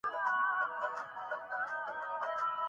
رکھے امام سے جو بغض، کیا کہیں اُس کو؟